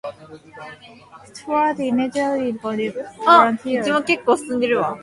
Stewart immediately volunteered.